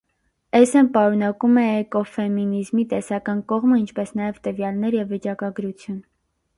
Էսսեն պարունակում է էկոֆեմինիզմի տեսական կողմը, ինչպես նաև տվյալներ և վիճակագրություն։